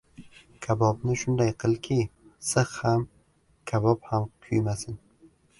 • Kabobni shunday qilki, siz ham, kabob ham kuymasin.